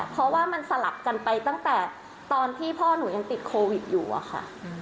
เพราะว่ามันสลับกันไปตั้งแต่ตอนที่พ่อหนูยังติดโควิดอยู่อะค่ะ